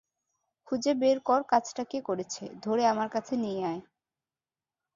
খুজে বের কর কাজটা কে করেছে, ধরে আমার কাছে নিয়ে আয়।